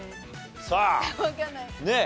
さあねっ